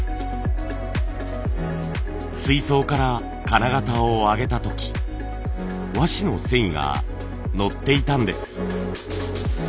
水槽から金型を上げた時和紙の繊維がのっていたんです。